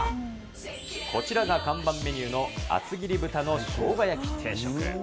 こちらが看板メニューの厚切り豚の生姜焼き定食。